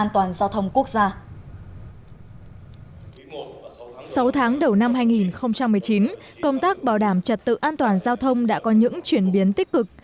sáu tháng đầu năm hai nghìn một mươi chín công tác bảo đảm trật tự an toàn giao thông đã có những chuyển biến tích cực